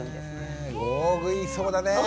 大食いそうだね。